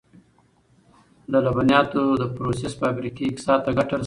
د لبنیاتو د پروسس فابریکې اقتصاد ته ګټه رسوي.